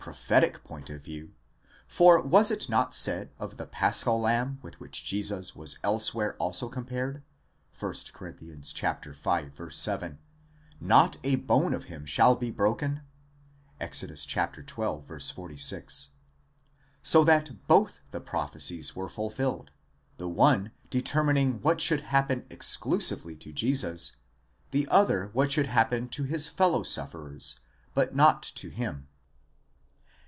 prophetic point of view ; for was it not said of the Paschal lamb with which Jesus was elsewhere also compared (1 Cor. v. 7): sot a bone of him shall be broken (Exod. xii. 46)? so that both the prophecies were fulfilled, the one determining what should happen exclusively to Jesus, the other what should happen to his fellow sufferers, but not to him.